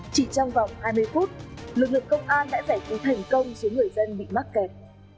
chỉ trong vòng hai mươi phút lực lượng công an đã giải cứu thành công số người dân bị mắc kẹt